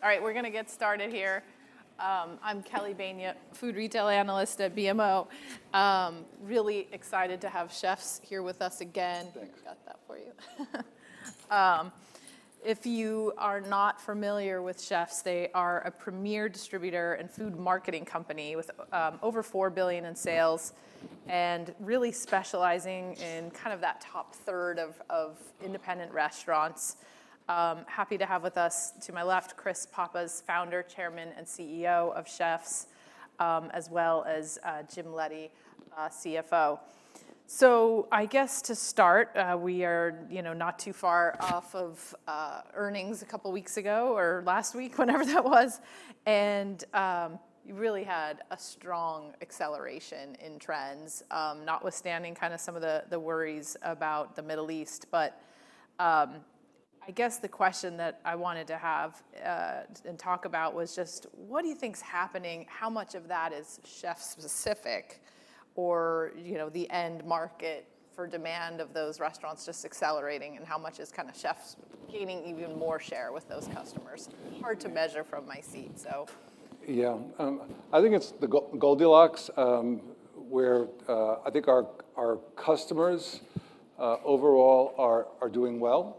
All right, we're gonna get started here. I'm Kelly Bania, food retail analyst at BMO. Really excited to have Chefs here with us again. Thanks. I've got that for you. If you are not familiar with Chefs, they are a premier distributor and food marketing company with $4 billion in sales, and really specializing in kind of that top third of independent restaurants. Happy to have with us, to my left, Christopher Pappas, Founder, Chairman, and CEO of Chefs, as well as James Leddy, CFO. I guess to start, we are, you know, not too far off of earnings a couple weeks ago or last week, whenever that was, and you really had a strong acceleration in trends, notwithstanding kinda some of the worries about the Middle East. I guess the question that I wanted to have and talk about was just what do you think's happening, how much of that is Chefs specific? You know, the end market for demand of those restaurants just accelerating, and how much is kinda Chefs' gaining even more share with those customers? Hard to measure from my seat. Yeah. I think it's the Goldilocks, where I think our customers overall are doing well.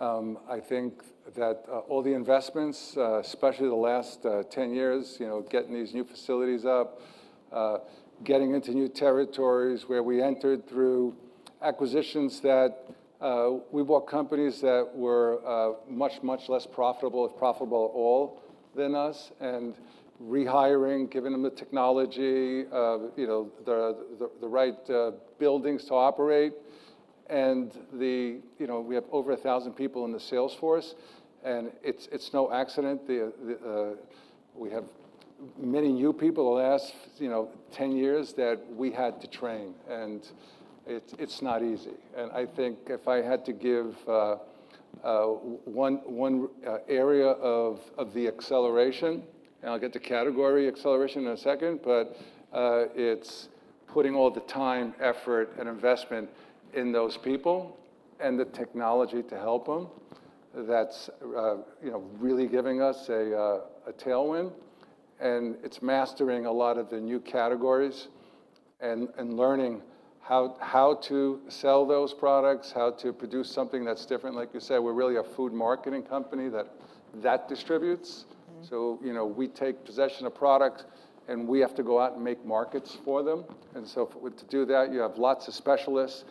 I think that all the investments, especially the last 10 years, you know, getting these new facilities up, getting into new territories where we entered through acquisitions that we bought companies that were much less profitable, if profitable at all, than us, and rehiring, giving them the technology, you know, the right buildings to operate. The, you know, we have over 1,000 people in the sales force, it's no accident. The, the, we have many new people the last, you know, 10 years that we had to train, it's not easy. I think if I had to give one area of the acceleration, and I'll get to category acceleration in a second, but it's putting all the time, effort, and investment in those people and the technology to help them. That's, you know, really giving us a tailwind, and it's mastering a lot of the new categories and learning how to sell those products, how to produce something that's different. Like you said, we're really a food marketing company that distributes. You know, we take possession of product, and we have to go out and make markets for them. To do that, you have lots of specialists,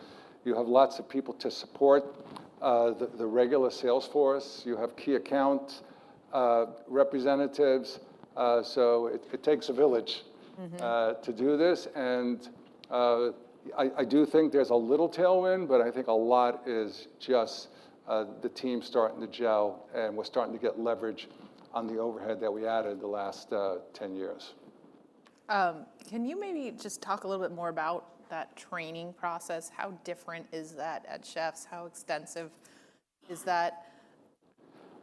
you have lots of people to support the regular sales force, you have key account representatives, so it takes a village. To do this. I do think there's a little tailwind, but I think a lot is just the team starting to gel, and we're starting to get leverage on the overhead that we added the last 10 years. Can you maybe just talk a little bit more about that training process? How different is that at Chefs'? How extensive is that?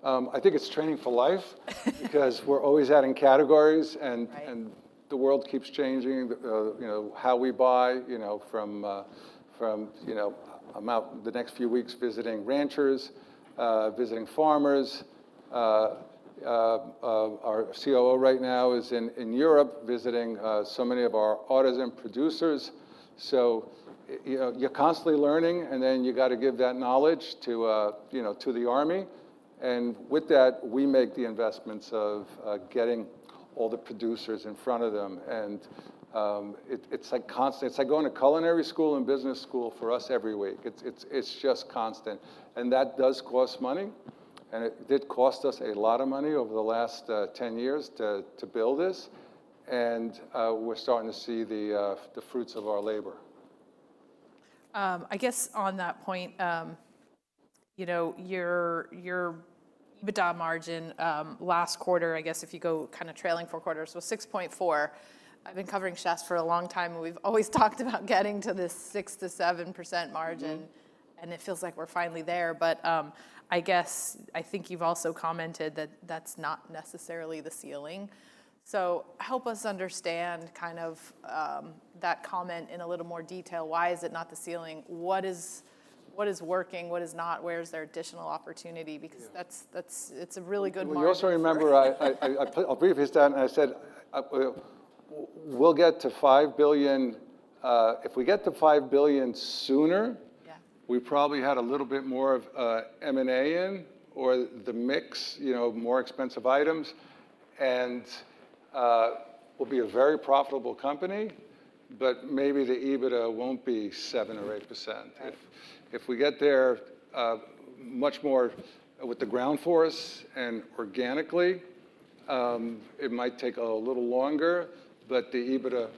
I think it's training because we're always adding categories. Right The world keeps changing, you know, how we buy, you know, from, you know I'm out the next few weeks visiting ranchers, visiting farmers. Our COO right now is in Europe visiting so many of our artisan producers. You know, you're constantly learning, and then you gotta give that knowledge to, you know, to the army. With that, we make the investments of getting all the producers in front of them, and it's, like, constant. It's like going to culinary school and business school for us every week. It's just constant. That does cost money, and it did cost us a lot of money over the last 10 years to build this, and we're starting to see the fruits of our labor. I guess on that point, you know, your EBITDA margin, last quarter, I guess if you go kinda trailing four quarters, was 6.4%. I've been covering Chefs for a long time, and we've always talked about getting to this 6%-7% margin. It feels like we're finally there. I guess I think you've also commented that that's not necessarily the ceiling. Help us understand kind of, that comment in a little more detail. Why is it not the ceiling? What is working, what is not? Where is there additional opportunity? Yeah. Because that's it's a really good market. Well, you also remember I'll brief this down, and I said, we'll get to $5 billion. If we get to $5 billion sooner. Yeah We probably had a little bit more of M&A in, or the mix, you know, more expensive items, and we'll be a very profitable company, but maybe the EBITDA won't be 7% or 8%. Okay. If we get there, much more with the ground force and organically, it might take a little longer, but the EBITDA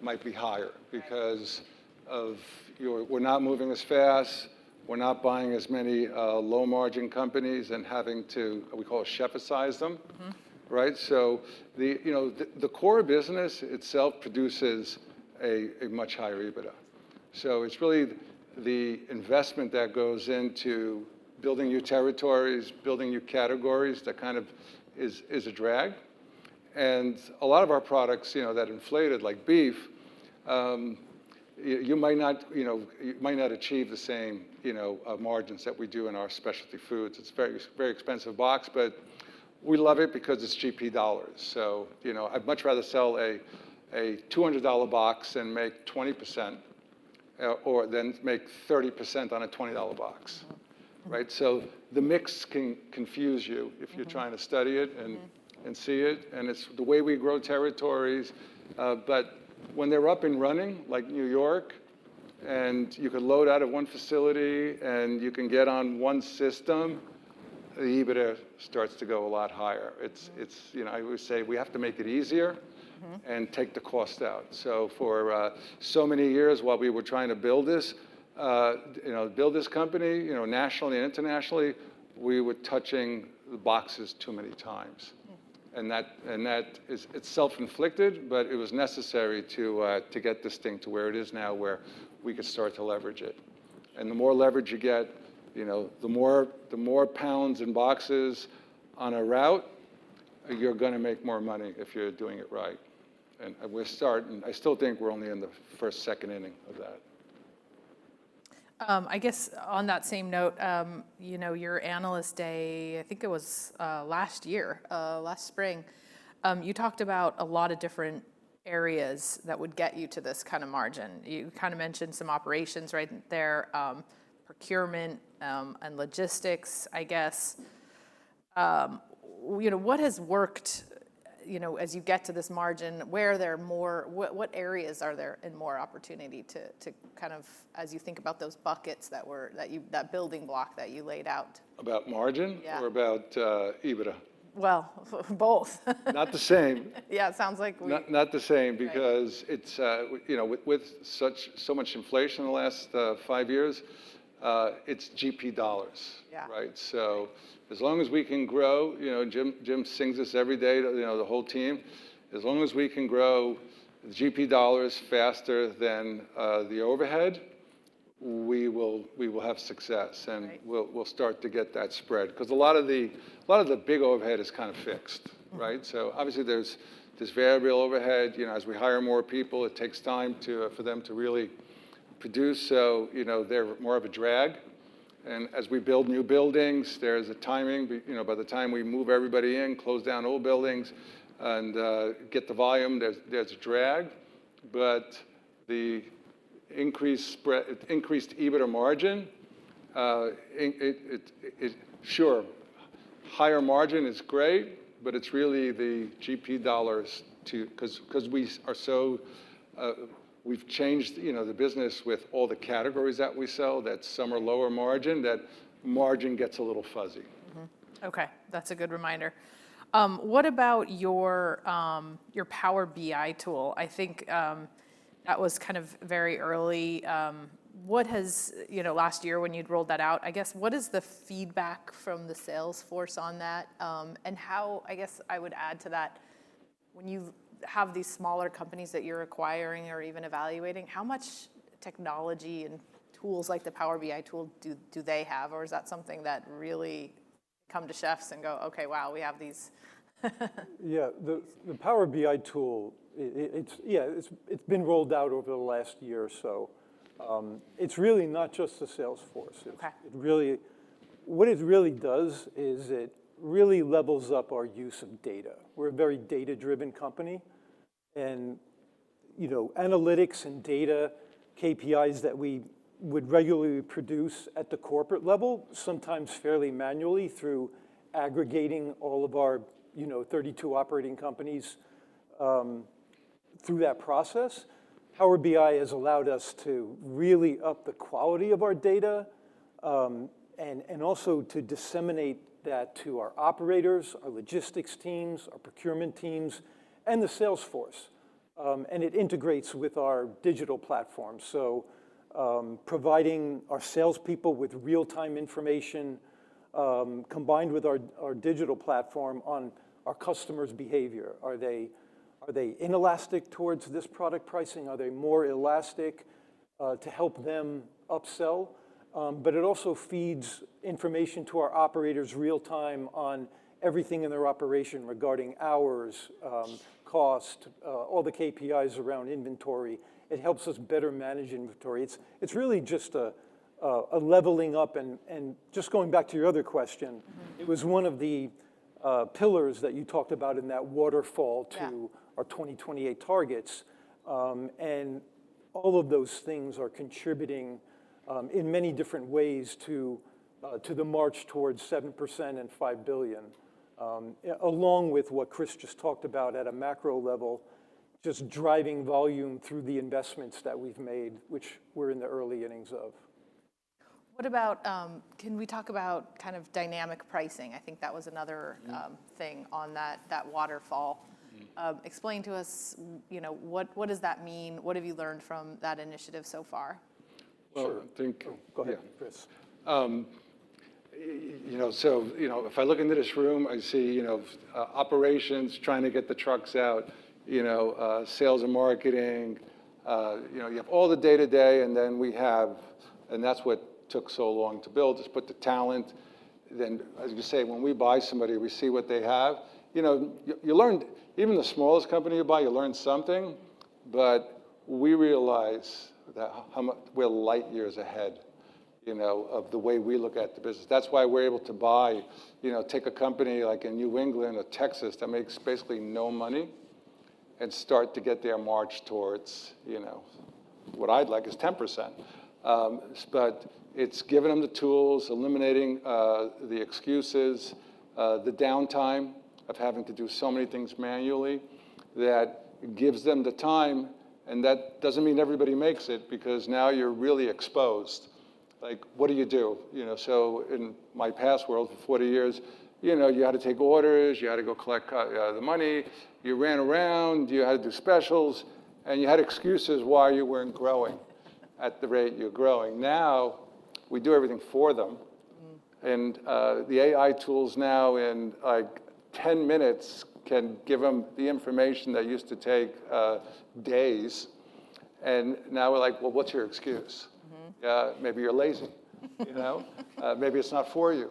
might be higher. Right because of, you know, we're not moving as fast, we're not buying as many low margin companies and having to, we call it Chef-size them. Right? The, you know, the core business itself produces a much higher EBITDA. It's really the investment that goes into building new territories, building new categories that kind of is a drag. A lot of our products, you know, that inflated like beef, you might not, you know, might not achieve the same, you know, margins that we do in our specialty foods. It's very expensive box, but we love it because it's GP dollars. You know, I'd much rather sell a $200 box and make 20% or than make 30% on a $20 box. Right? The mix can confuse you if you're trying to study it. See it, and it's the way we grow territories. When they're up and running like New York, and you can load out of one facility, and you can get on one system, the EBITDA starts to go a lot higher. It's, you know, I would say we have to make it easier- Take the cost out. For, so many years while we were trying to build this, you know, build this company, you know, nationally and internationally, we were touching the boxes too many times. It's self-inflicted, but it was necessary to get this thing to where it is now, where we could start to leverage it. The more leverage you get, you know, the more pounds and boxes on a route, you're gonna make more money if you're doing it right. We're starting. I still think we're only in the first, second inning of that. I guess on that same note, you know, your Analyst Day, I think it was last year, last spring, you talked about a lot of different areas that would get you to this kind of margin. You kind of mentioned some operations right there, procurement, and logistics, I guess. You know, what has worked, you know, as you get to this margin? Where there are more what areas are there and more opportunity to kind of, as you think about those buckets that were, That building block that you laid out? About margin? Yeah. Or about, EBITDA? Well, both. Not the same. Yeah, it sounds like. Not the same. Right It's, you know, with so much inflation in the last five years, it's GP dollars. Yeah. Right? as long as we can grow, you know, Jim sings this every day, you know, the whole team, as long as we can grow the GP dollars faster than the overhead, we will have success. Right. We'll start to get that spread. 'Cause a lot of the big overhead is kind of fixed, right? Obviously there's this variable overhead. You know, as we hire more people, it takes time to for them to really produce, you know, they're more of a drag. As we build new buildings, there's a timing. You know, by the time we move everybody in, close down old buildings, and get the volume, there's a drag. The increased EBITDA margin, it sure, higher margin is great, but it's really the GP dollars to Cause we are so, We've changed, you know, the business with all the categories that we sell, that some are lower margin, that margin gets a little fuzzy. Okay, that's a good reminder. What about your Power BI tool? I think that was kind of very early. What has, you know, last year when you'd rolled that out, I guess, what is the feedback from the sales force on that? How, I guess I would add to that, when you have these smaller companies that you're acquiring or even evaluating, how much technology and tools like the Power BI tool do they have? Is that something that really come to Chefs and go, "Okay, wow, we have these"? Yeah. The Power BI tool, it's been rolled out over the last year or so. It's really not just the sales force. Okay. What it really does is it really levels up our use of data. We're a very data-driven company, and, you know, analytics and data, KPIs that we would regularly produce at the corporate level, sometimes fairly manually through aggregating all of our, you know, 32 operating companies, through that process. Power BI has allowed us to really up the quality of our data, and also to disseminate that to our operators, our logistics teams, our procurement teams, and the sales force. It integrates with our digital platform, providing our salespeople with real-time information, combined with our digital platform on our customers' behavior. Are they inelastic towards this product pricing? Are they more elastic to help them upsell? It also feeds information to our operators real time on everything in their operation regarding hours, cost, all the KPIs around inventory. It helps us better manage inventory. It's really just a leveling up and just going back to the other question. It was one of the pillars that you talked about in that waterfall. Yeah Our 2028 targets. All of those things are contributing in many different ways to the march towards 7% and $5 billion. Along with what Chris just talked about at a macro level, just driving volume through the investments that we've made, which we're in the early innings of. What about, can we talk about kind of dynamic pricing? Thing on that waterfall. Explain to us, you know, what does that mean? What have you learned from that initiative so far? Sure. Well, I think- Oh, go ahead, Chris. Yeah. You know, you know, if I look into this room, I see, you know, operations trying to get the trucks out, you know, sales and marketing, you know, you have all the day-to-day. That's what took so long to build, is put the talent. Then as you say, when we buy somebody, we see what they have. You know, you learn, even the smallest company you buy, you learn something. We realize that how much we're light years ahead, you know, of the way we look at the business. That's why we're able to buy, you know, take a company like in New England or Texas that makes basically no money. Start to get their march towards, you know, what I'd like is 10%. It's giving them the tools, eliminating the excuses, the downtime of having to do so many things manually that gives them the time, and that doesn't mean everybody makes it because now you're really exposed. Like, what do you do? You know, in my past world for 40 years, you know, you had to take orders, you had to go collect the money, you ran around, you had to do specials, you had excuses why you weren't growing at the rate you're growing. Now, we do everything for them. The AI tools now in, like, 10 minutes can give them the information that used to take days, and now we're like, "Well, what's your excuse? Maybe you're lazy. You know? Maybe it's not for you.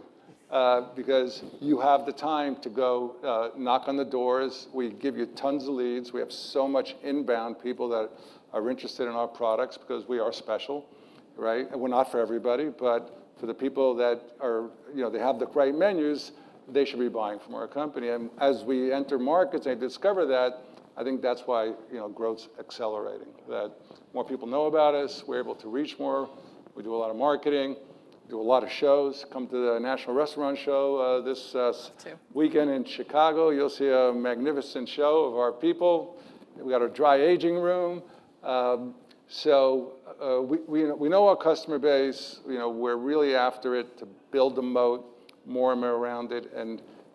Because you have the time to go knock on the doors. We give you tons of leads. We have so much inbound people that are interested in our products because we are special, right? We're not for everybody, for the people that are You know, they have the right menus, they should be buying from our company. As we enter markets, they discover that. I think that's why, you know, growth's accelerating. More people know about us, we're able to reach more, we do a lot of marketing, do a lot of shows. Come to the National Restaurant Show, this. Too Weekend in Chicago. You'll see a magnificent show of our people. We got our dry aging room. We know our customer base. You know, we're really after it to build the moat more and more around it.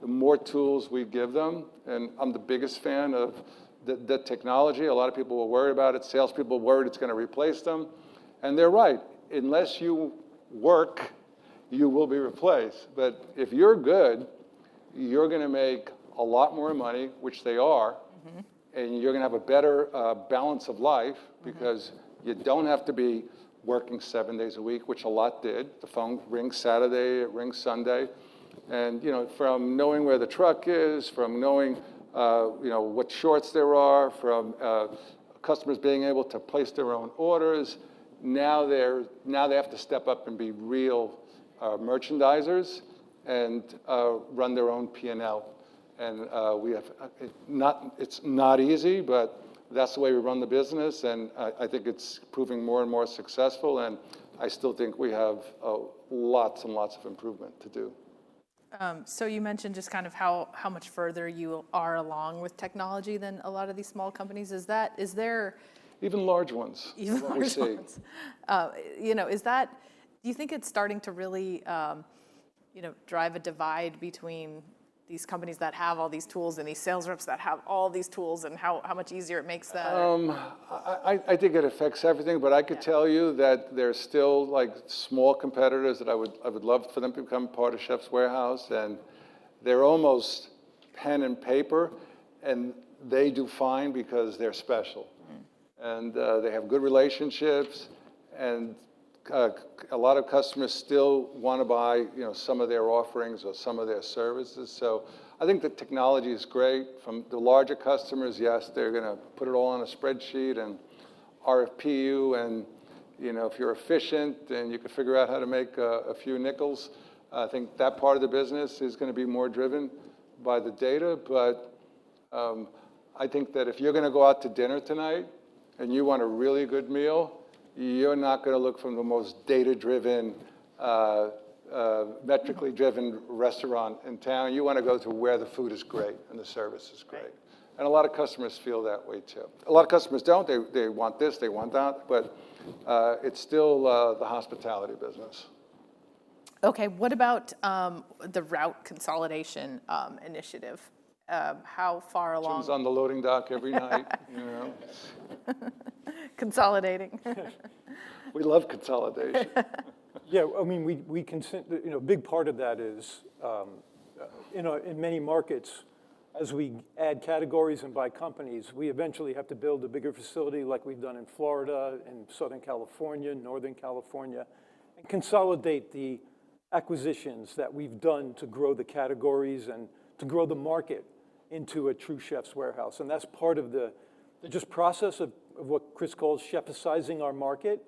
The more tools we give them, and I'm the biggest fan of the technology. A lot of people are worried about it. Salespeople are worried it's gonna replace them, and they're right. Unless you work, you will be replaced. If you're good, you're gonna make a lot more money, which they are. You're gonna have a better balance of life. Because you don't have to be working seven days a week, which a lot did. The phone rings Saturday, it rings Sunday. You know, from knowing where the truck is, from knowing, you know, what shorts there are, from customers being able to place their own orders, now they're, now they have to step up and be real merchandisers and run their own P&L. We have, it's not easy, but that's the way we run the business and I think it's proving more and more successful, and I still think we have lots and lots of improvement to do. You mentioned just kind of how much further you are along with technology than a lot of these small companies. Is that? Even large ones. Even large ones. From what we see. You know, do you think it's starting to really, you know, drive a divide between these companies that have all these tools and these sales reps that have all these tools and how much easier it makes? I think it affects everything. Yeah. I could tell you that there's still, like, small competitors that I would love for them to become part of The Chefs' Warehouse, and they're almost pen and paper, and they do fine because they're special. They have good relationships, and a lot of customers still wanna buy, you know, some of their offerings or some of their services. I think the technology is great. From the larger customers, yes, they're gonna put it all on a spreadsheet and RPU you, and, you know, if you're efficient, then you can figure out how to make a few nickels. I think that part of the business is gonna be more driven by the data. I think that if you're gonna go out to dinner tonight, and you want a really good meal, you're not gonna look for the most data-driven, metricly driven restaurant in town. You wanna go to where the food is great and the service is great. Right. A lot of customers feel that way too. A lot of customers don't. They want this, they want that, but, it's still the hospitality business. Okay. What about, the route consolidation, initiative? How far along? Tim's on the loading dock every night. You know? Consolidating. We love consolidation. Yeah. I mean, we can You know, a big part of that is, you know, in many markets, as we add categories and buy companies, we eventually have to build a bigger facility like we've done in Florida, in Southern California, Northern California, and consolidate the acquisitions that we've done to grow the categories and to grow the market into a true Chefs' Warehouse, and that's part of the just process of what Chris calls Chef-asizing our market.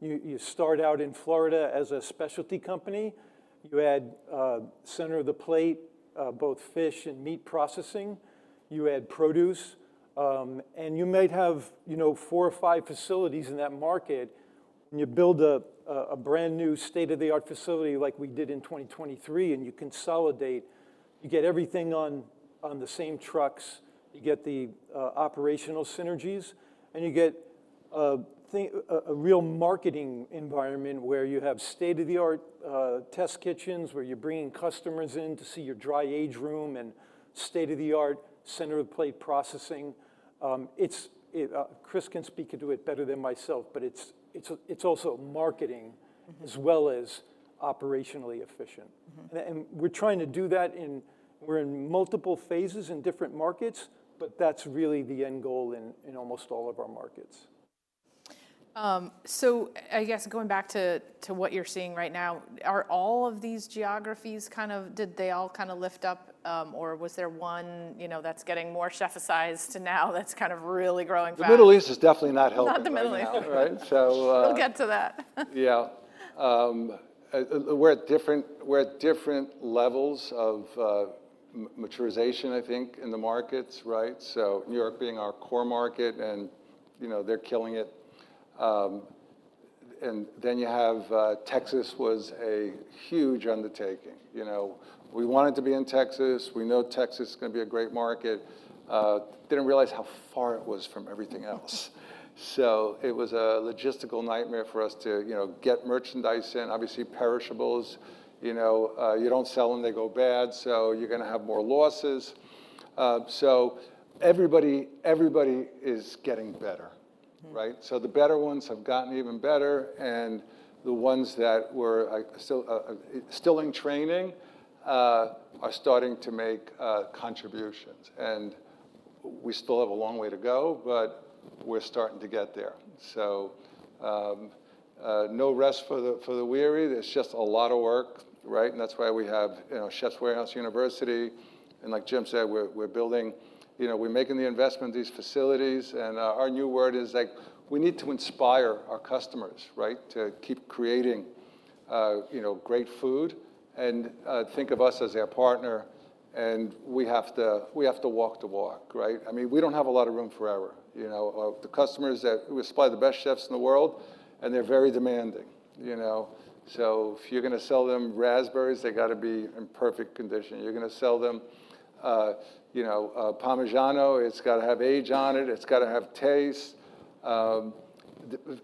You start out in Florida as a specialty company. You add center of the plate, both fish and meat processing. You add produce. You might have, you know, four or five facilities in that market. When you build a brand-new state-of-the-art facility like we did in 2023 and you consolidate, you get everything on the same trucks, you get the operational synergies, and you get a real marketing environment where you have state-of-the-art test kitchens, where you're bringing customers in to see your dry age room and state-of-the-art center of plate processing. Chris can speak to it better than myself, but it's also marketing. As well as operationally efficient. We're trying to do that in, we're in multiple phases in different markets, but that's really the end goal in almost all of our markets. I guess going back to what you're seeing right now, are all of these geographies kind of Did they all kind of lift up, or was there one, you know, that's getting more Chef-icized now that's kind of really growing fast? The Middle East is definitely not helping right now. Not the Middle East. Right? We'll get to that. Yeah. We're at different, we're at different levels of maturization, I think, in the markets, right? New York being our core market, and, you know, they're killing it. Then you have Texas was a huge undertaking. You know, we wanted to be in Texas. We know Texas is gonna be a great market. Didn't realize how far it was from everything else. It was a logistical nightmare for us to, you know, get merchandise in, obviously perishables. You know, you don't sell them, they go bad, so you're gonna have more losses. Everybody is getting better, right? The better ones have gotten even better, and the ones that were still in training are starting to make contributions. We still have a long way to go, but we're starting to get there. No rest for the weary. There's just a lot of work, right? That's why we have, you know, Chefs' Warehouse University, and like Jim said, we're building You know, we're making the investment in these facilities and our new word is, like, we need to inspire our customers, right, to keep creating, you know, great food and think of us as their partner, and we have to walk the walk, right? I mean, we don't have a lot of room for error, you know. The customers that We supply the best chefs in the world, and they're very demanding, you know. If you're gonna sell them raspberries, they gotta be in perfect condition. You're gonna sell them, you know, a Parmigiano, it's gotta have age on it's gotta have taste.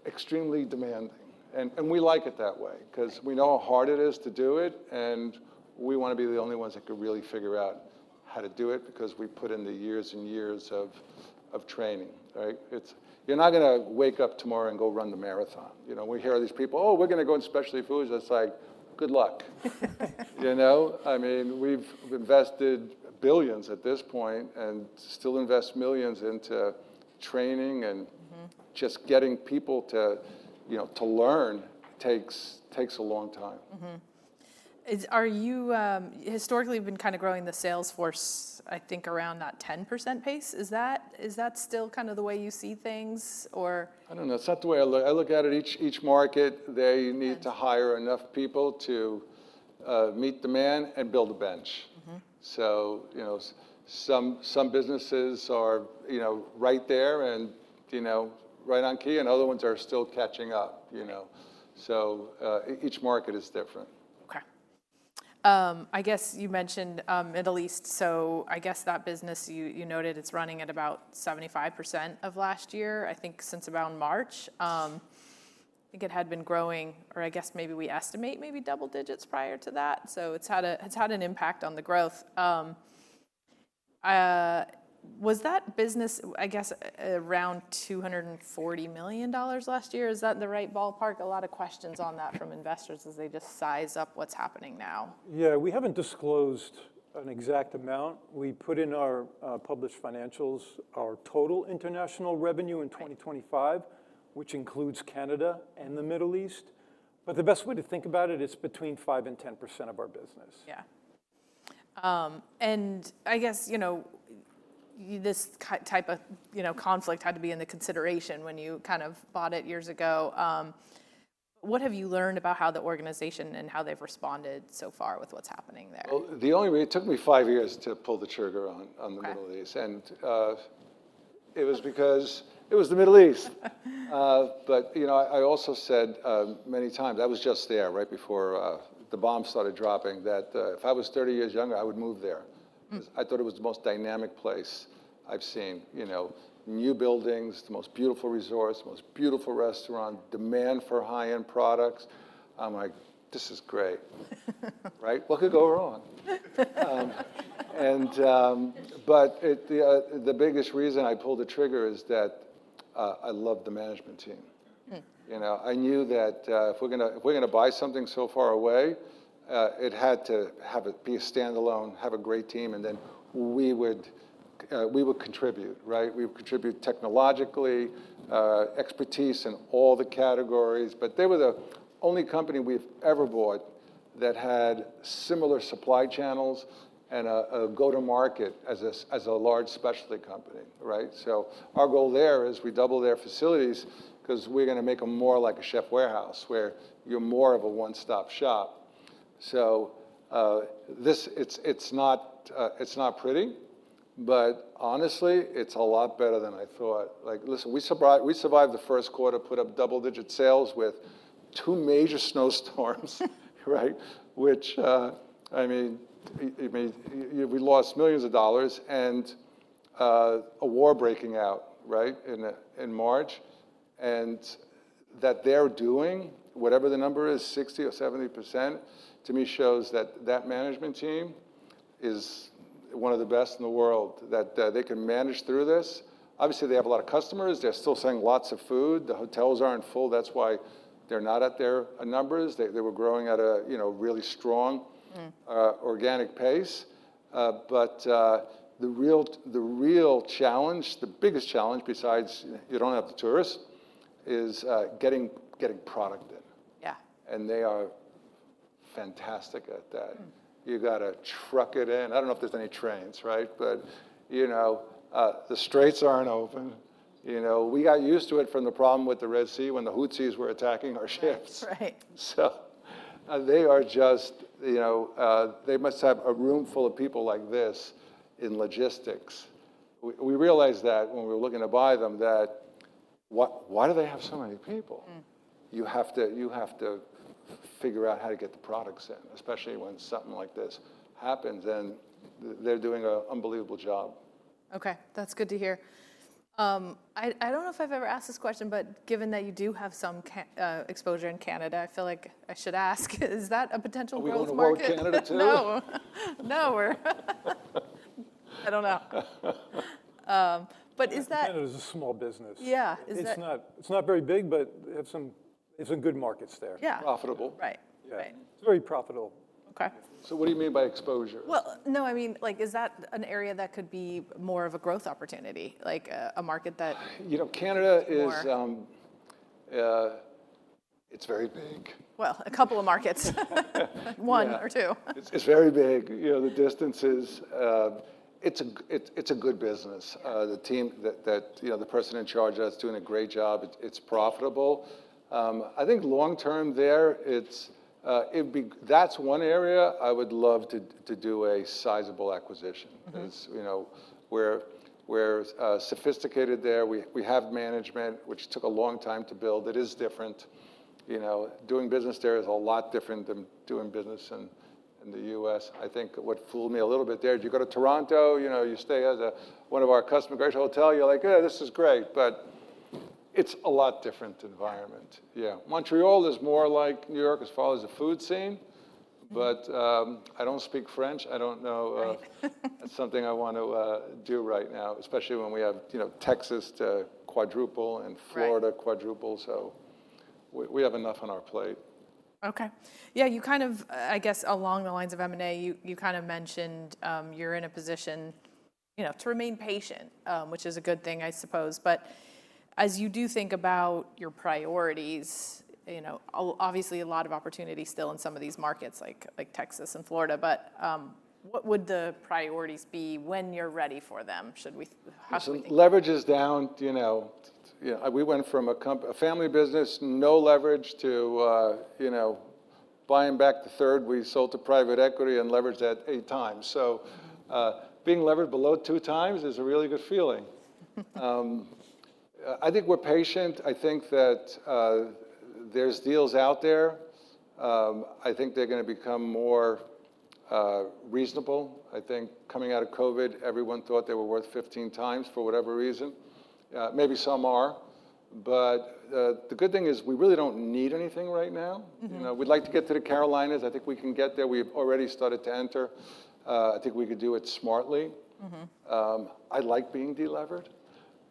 extremely demanding, and we like it that way, 'cause we know how hard it is to do it, and we wanna be the only ones that can really figure out how to do it because we put in the years and years of training, right? It's, you're not gonna wake up tomorrow and go run the marathon, you know. We hear these people, "Oh, we're gonna go in specialty foods." It's like, good luck. You know? I mean, we've invested billions at this point and still invest millions into training. Just getting people to, you know, to learn takes a long time. Are you historically, you've been kind of growing the sales force, I think, around that 10% pace. Is that still kind of the way you see things, or? I don't know. It's not the way I look at it. Each market, they need- Okay To hire enough people to meet demand and build a bench. You know, some businesses are, you know, right there and, you know, right on key, and other ones are still catching up, you know. Okay. Each market is different. Okay. I guess you mentioned Middle East, so I guess that business, you noted it's running at about 75% of last year, I think since around March. I think it had been growing, or I guess maybe we estimate maybe double digits prior to that. So it's had an impact on the growth. Was that business, I guess, around $240 million last year? Is that in the right ballpark? A lot of questions on that from investors as they just size up what's happening now. Yeah, we haven't disclosed an exact amount. We put in our published financials our total international revenue in 2025- Okay Which includes Canada and the Middle East. The best way to think about it's between five and 10% of our business. Yeah. I guess, you know, this type of, you know, conflict had to be into consideration when you kind of bought it years ago. What have you learned about how the organization and how they've responded so far with what's happening there? Well, the only it took me five years to pull the trigger on the Middle East. Okay. It was because it was the Middle East. You know, I also said many times, I was just there right before the bombs started dropping, that, if I was 30 years younger, I would move there. 'Cause I thought it was the most dynamic place I've seen. You know, new buildings, the most beautiful resorts, the most beautiful restaurant, demand for high-end products. I'm like, "This is great." Right? What could go wrong? The biggest reason I pulled the trigger is that I love the management team. You know, I knew that if we're gonna buy something so far away, it had to be a standalone, have a great team, and then we would contribute, right? We would contribute technologically, expertise in all the categories. They were the only company we've ever bought that had similar supply channels and a go-to-market as a large specialty company, right? Our goal there is we double their facilities 'cause we're gonna make them more like a Chefs' Warehouse, where you're more of a one-stop shop. It's not, it's not pretty, honestly, it's a lot better than I thought. Like, listen, we survived the first quarter, put up double-digit sales with two major snowstorms, right? I mean, it made, we lost millions of dollars, and a war breaking out, right, in March. That they're doing whatever the number is, 60% or 70%, to me shows that that management team is one of the best in the world, that they can manage through this. Obviously, they have a lot of customers. They're still selling lots of food. The hotels aren't full, that's why they're not at their numbers. They're growing at a really strong organic pace. The real challenge, the biggest challenge besides you don't have the tourists, is getting product in. Yeah. They are fantastic at that. You gotta truck it in. I don't know if there's any trains, right? You know, the straits aren't open. You know, we got used to it from the problem with the Red Sea when the Houthis were attacking our ships. Right. They are just, you know, they must have a room full of people like this in logistics. We realized that when we were looking to buy them, that why do they have so many people? You have to figure out how to get the products in, especially when something like this happens, they're doing a unbelievable job. Okay. That's good to hear. I don't know if I've ever asked this question, given that you do have some exposure in Canada, I feel like I should ask, is that a potential growth market? Are we going to work Canada too? No. No, we're I don't know. Canada's a small business. Yeah. It's not very big, but it's in good markets there. Yeah. Profitable. Right. Yeah. Right. It's very profitable. Okay. What do you mean by exposure? Well, no, I mean, like, is that an area that could be more of a growth opportunity, like a market that? You know, Canada is. More It's very big. Well, a couple of markets. Yeah. One or two. It's very big. You know, the distances. It's a good business. Yeah. The team that You know, the person in charge of that's doing a great job. It's profitable. I think long term there, it'd be That's one area I would love to do a sizable acquisition. It's, you know, we're sophisticated there. We have management, which took a long time to build. It is different. You know, doing business there is a lot different than doing business in the U.S. I think what fooled me a little bit there, if you go to Toronto, you know, you stay at one of our customer-facing hotel, you're like, "Yeah, this is great," it's a lot different environment, yeah. Montreal is more like New York as far as the food scene, I don't speak French. I don't know. Right. That's something I want to do right now, especially when we have, you know, Texas to quadruple and. Right Florida quadruple, we have enough on our plate. Okay. Yeah, you kind of, I guess along the lines of M&A, you kind of mentioned, you're in a position, you know, to remain patient, which is a good thing, I suppose. As you do think about your priorities, you know, obviously a lot of opportunity still in some of these markets, like Texas and Florida, what would the priorities be when you're ready for them? How should we think about that? Leverage is down. Do you know, we went from a family business, no leverage, to, you know, buying back the third we sold to private equity and leveraged that eight times. being levered below 2x is a really good feeling. I think we're patient. I think that there's deals out there. I think they're gonna become more reasonable. I think coming out of COVID, everyone thought they were worth 15x for whatever reason. Maybe some are. The good thing is we really don't need anything right now. You know, we'd like to get to the Carolinas. I think we can get there. We've already started to enter. I think we could do it smartly. I like being delevered.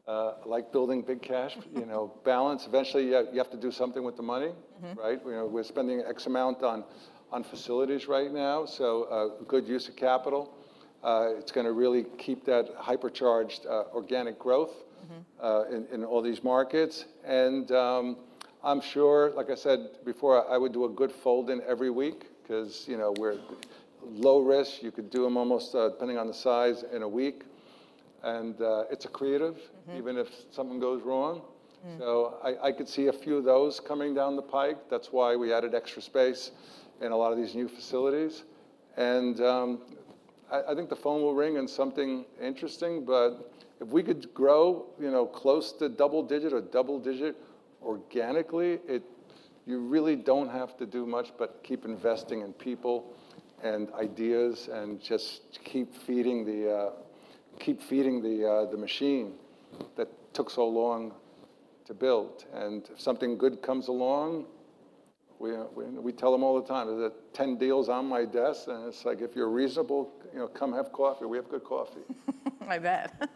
I like building big cash, you know, balance. Eventually, you have to do something with the money. Right? You know, we're spending X amount on facilities right now, so a good use of capital. It's gonna really keep that hyper-charged organic growth. in all these markets. I'm sure, like I said before, I would do a good fold in every week, 'cause, you know, we're low risk. You could do them almost, depending on the size, in a week. Even if something goes wrong. I could see a few of those coming down the pipe. That's why we added extra space in a lot of these new facilities. I think the phone will ring in something interesting, but if we could grow, you know, close to double digit or double digit organically, You really don't have to do much but keep investing in people and ideas and just keep feeding the, keep feeding the machine that took so long to build. If something good comes along, we tell them all the time, the 10 deals on my desk, and it's like, "If you're reasonable, you know, come have coffee. We have good coffee. I bet.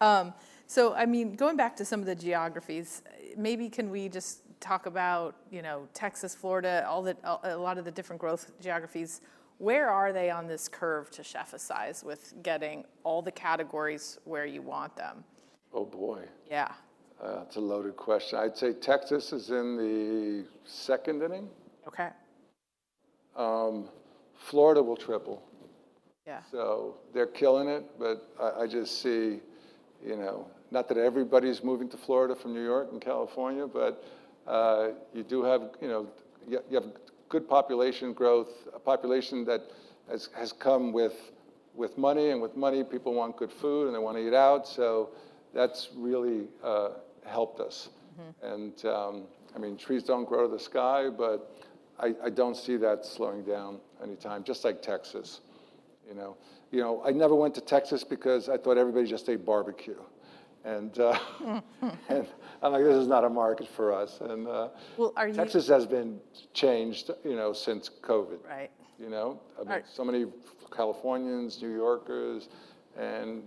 I mean, going back to some of the geographies, maybe can we just talk about, you know, Texas, Florida, a lot of the different growth geographies, where are they on this curve to Chef-ize with getting all the categories where you want them? Oh, boy. Yeah. It's a loaded question. I'd say Texas is in the second inning. Okay. Florida will triple. Yeah. They're killing it, but I just see, you know, not that everybody's moving to Florida from New York and California, but you do have, you know, you have good population growth, a population that has come with money, and with money, people want good food, and they want to eat out. That's really helped us. I mean, trees don't grow to the sky, but I don't see that slowing down anytime, just like Texas, you know. You know, I never went to Texas because I thought everybody just ate barbecue and I'm like, "This is not a market for us. Well. Texas has been changed, you know, since COVID. Right. You know? Right. I mean, so many Californians, New Yorkers, and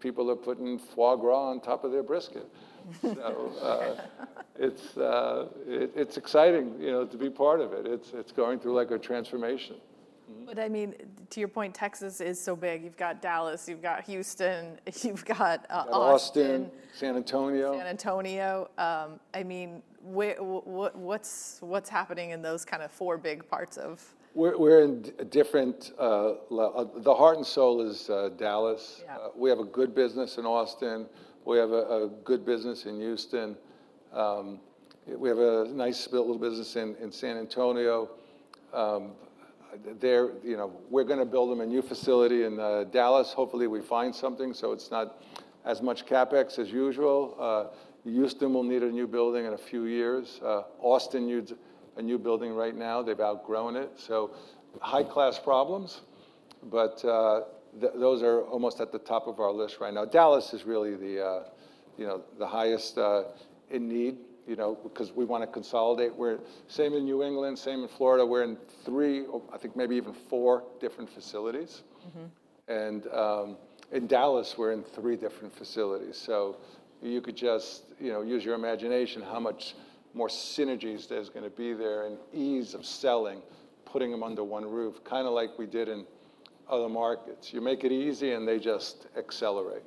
people are putting foie gras on top of their brisket. It's exciting, you know, to be part of it. It's going through, like, a transformation. I mean, to your point, Texas is so big. You've got Dallas, you've got Houston, you've got Austin. Got Austin, San Antonio. San Antonio. I mean, where, what's happening in those kind of four big? We're in different, the heart and soul is Dallas. Yeah We have a good business in Austin. We have a good business in Houston. We have a nice little business in San Antonio. You know, we're gonna build them a new facility in Dallas. Hopefully, we find something so it's not as much CapEx as usual. Houston will need a new building in a few years. Austin needs a new building right now. They've outgrown it. High class problems, but those are almost at the top of our list right now. Dallas is really the, you know, the highest, in need, you know, because we wanna consolidate. We're same in New England, same in Florida, we're in three or I think maybe even four different facilities. In Dallas, we're in three different facilities. You could just, you know, use your imagination how much more synergies there's gonna be there and ease of selling, putting them under one roof, kinda like we did in other markets. You make it easy and they just accelerate.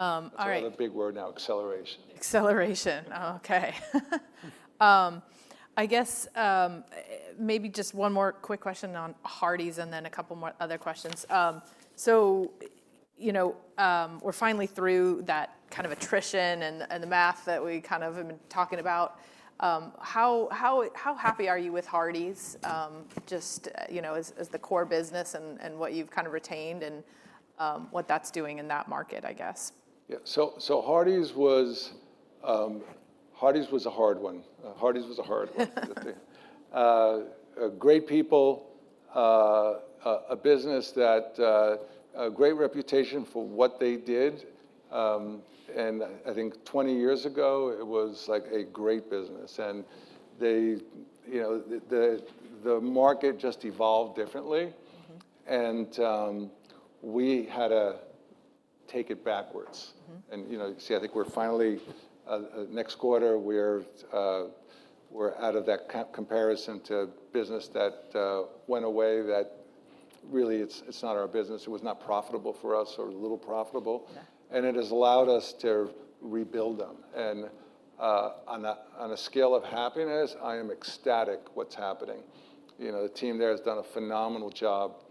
Yep. So- All right. That's another big word now, acceleration. Acceleration. Okay. I guess, maybe just one more quick question on Hardie's and then a couple more other questions. You know, we're finally through that kind of attrition and the math that we kind of have been talking about. How happy are you with Hardie's, just, you know, as the core business and what you've kind of retained and, what that's doing in that market, I guess? Yeah. Hardie's was a hard one. Great people. A business that, a great reputation for what they did. I think 20 years ago it was, like, a great business. They, you know, the market just evolved differently. We had to take it backwards. You know, you see, I think we're finally next quarter, we're out of that comparison to business that went away that really it's not our business. It was not profitable for us or a little profitable. Yeah. It has allowed us to rebuild them. On a scale of happiness, I am ecstatic what's happening. You know, the team there has done a phenomenal job,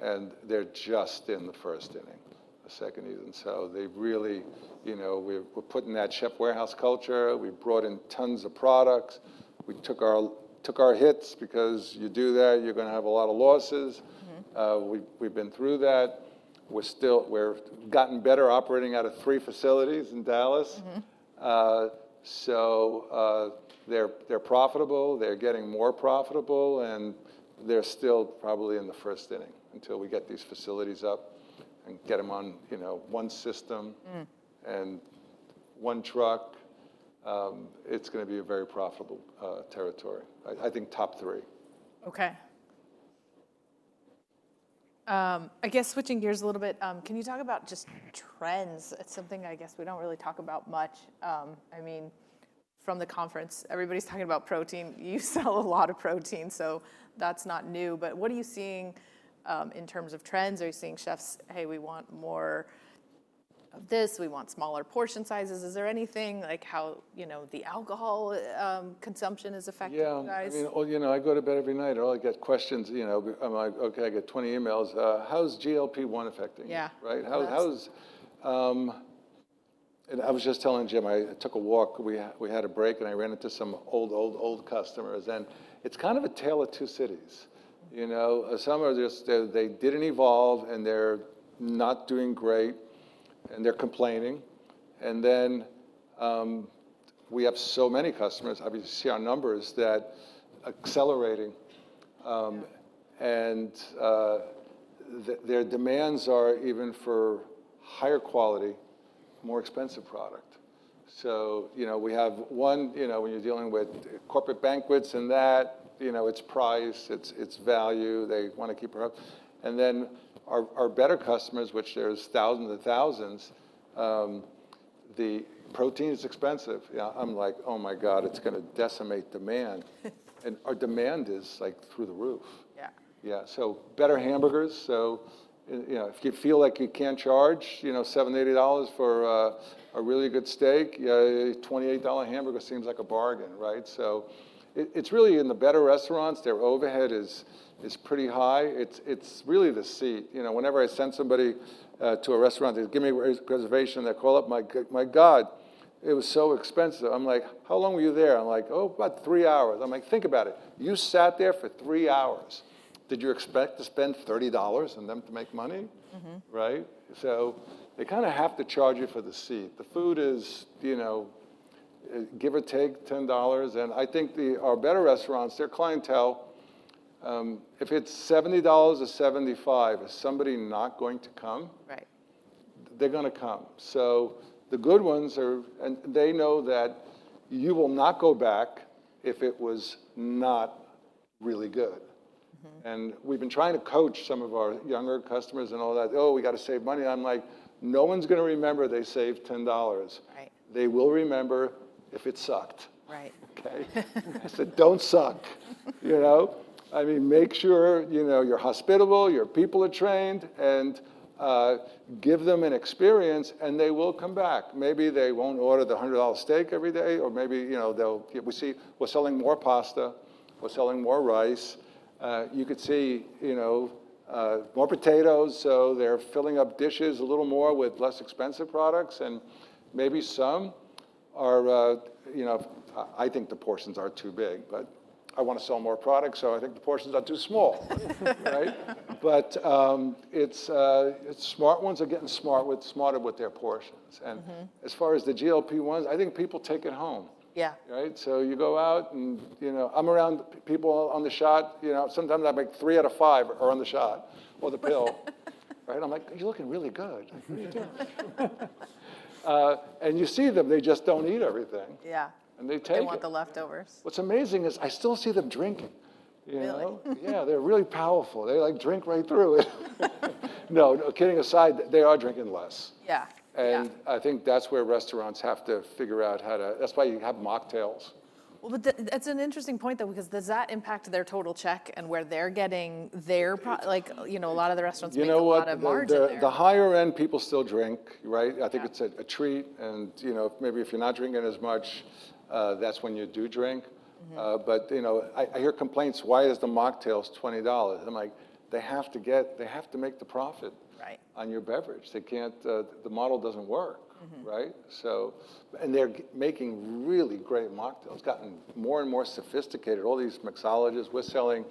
and they're just in the first inning, the second even. They've really, you know, we're putting that Chefs' Warehouse culture. We've brought in tons of products. We took our hits because you do that, you're gonna have a lot of losses. We've been through that. We're gotten better operating out of three facilities in Dallas. They're profitable. They're getting more profitable, and they're still probably in the first inning until we get these facilities up and get them on, you know, one system. 1 truck. It's gonna be a very profitable territory. I think top three. Okay. I guess switching gears a little bit, can you talk about just trends? It's something I guess we don't really talk about much. I mean, from the conference, everybody's talking about protein. You sell a lot of protein, so that's not new. What are you seeing in terms of trends? Are you seeing chefs, "Hey, we want more of this. We want smaller portion sizes." Is there anything like how, you know, the alcohol consumption is affecting you guys? Yeah. I mean, oh, you know, I go to bed every night, all I get questions, you know, I'm like, okay, I get 20 emails. How's GLP-1 affecting me? Yeah. Right? The last- I was just telling Jim, I took a walk. We had a break, and I ran into some old customers, and it's kind of a tale of two cities. You know? Some are just, they didn't evolve, and they're not doing great, and they're complaining. We have so many customers, obviously our numbers, that accelerating. Yeah Their demands are even for higher quality, more expensive product. You know, we have one, you know, when you're dealing with corporate banquets and that, you know, it's price, it's value. They want to keep it up. Our better customers, which there's thousands and thousands, the protein is expensive. You know, I'm like, oh my God. It's gonna decimate demand. Our demand is, like, through the roof. Yeah. Yeah. Better hamburgers. You know, if you feel like you can't charge, you know, $70, $80 for a really good steak, a $28 hamburger seems like a bargain, right? It's really in the better restaurants, their overhead is pretty high. It's really the seat. You know, whenever I send somebody to a restaurant, they give me a reservation. They call up, "My God, it was so expensive." I'm like, "How long were you there?" I'm like, "Oh, about three hours." I'm like, "Think about it. You sat there for three hours. Did you expect to spend $30 on them to make money? Right? They kind of have to charge you for the seat. The food is, you know, give or take $10. I think the, our better restaurants, their clientele, if it's $70 or $75, is somebody not going to come? Right. They're gonna come. The good ones are. They know that you will not go back if it was not really good. We've been trying to coach some of our younger customers and all that, "Oh, we got to save money." I'm like, "No one's gonna remember they saved $10. Right. They will remember if it sucked. Right. Okay? I said, "Don't suck." You know, I mean, make sure, you know, you're hospitable, your people are trained, and give them an experience and they will come back. Maybe they won't order the $100 steak every day, maybe, you know, they'll Yeah, we see we're selling more pasta, we're selling more rice. You could see, you know, more potatoes, they're filling up dishes a little more with less expensive products. Maybe some are, you know, I think the portions are too big, I want to sell more product, I think the portions are too small. Right? It's smart ones are getting smarter with their portions. As far as the GLP-1s, I think people take it home. Yeah. Right? You go out and, you know, I'm around people on the shot, you know, sometimes I make three out of five are on the shot or the pill. Right? I'm like, "You're looking really good." And you see them, they just don't eat everything. Yeah. They take it. They want the leftovers. What's amazing is I still see them drinking, you know? Really? Yeah, they're really powerful. They, like, drink right through it. No, no, kidding aside, they are drinking less. Yeah. Yeah. I think that's where restaurants have to figure out. That's why you have mocktails. It's an interesting point, though, because does that impact their total check and where they're getting their pro- like, you know, a lot of the restaurants make a lot of margin there? You know what? The higher end people still drink, right? Yeah. I think it's a treat and, you know, maybe if you're not drinking as much, that's when you do drink. You know, I hear complaints, "Why is the mocktails $20?" I'm like, "They have to make the profit- Right on your beverage. They can't, the model doesn't work. Right? They're making really great mocktails, gotten more and more sophisticated, all these mixologists. We're selling,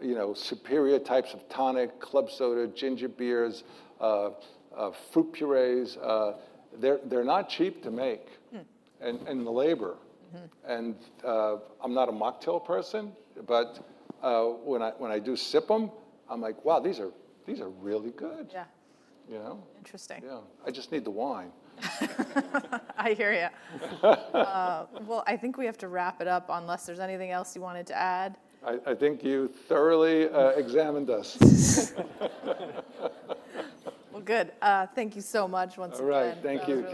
you know, superior types of tonic, club soda, ginger beers, fruit purees. They're not cheap to make. The labor. I'm not a mocktail person, but when I do sip them, I'm like, "Wow, these are really good. Yeah. You know? Interesting. Yeah. I just need the wine. I hear you. Well, I think we have to wrap it up, unless there's anything else you wanted to add. I think you thoroughly examined us. Well, good. Thank you so much once again. All right. Thank you.